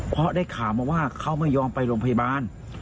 เพราะได้ข่าวมาว่าเขาไม่ยอมไปโรงพยาบาล